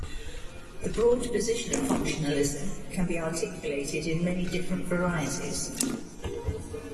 The broad position of "functionalism" can be articulated in many different varieties.